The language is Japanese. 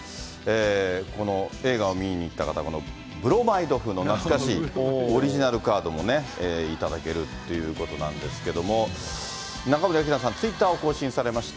この映画を見に行った方、ブロマイド風の懐かしいオリジナルカードもね、頂けるっていうことなんですけども、中森明菜さん、ツイッターを更新されまして。